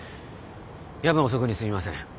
夜分遅くにすみません。